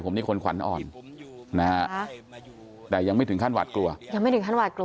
ผมคือคนขวัญอ่อนนะครับยังไม่ถึงขั้นหวัดกลัวมีรถคันหวัด